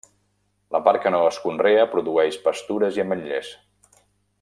La part que no es conrea produeix pastures i ametllers.